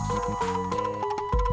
jangan forests setiap hari